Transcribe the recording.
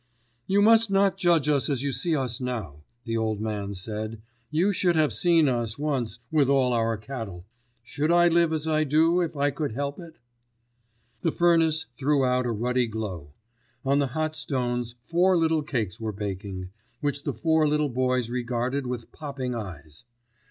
"You must not judge us as you see us now," the old man said. "You should have seen us once with all our cattle. Should I live as I do, if I could help it?" The furnace threw out a ruddy glow. On the hot stones four little cakes were baking, which the four little boys regarded with popping eyes.